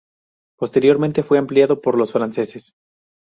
Posteriormente fue ampliado por los franceses.